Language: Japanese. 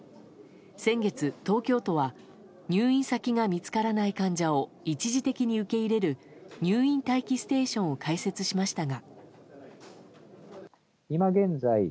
先月、東京都は入院先が見つからない患者を一時的に受け入れる入院待機ステーションを開設しましたが。